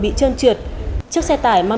bị trơn trượt chiếc xe tải mang